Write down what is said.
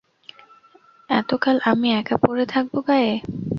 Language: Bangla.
এতকাল আমি একা পড়ে থাকব গাঁয়ে?